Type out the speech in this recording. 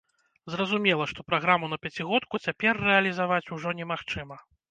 Зразумела, што праграму на пяцігодку цяпер рэалізаваць ужо немагчыма.